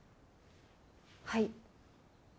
はい。